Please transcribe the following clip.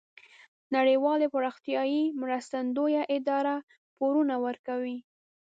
نړیوالې پراختیایې مرستندویه ادارې پورونه ورکوي.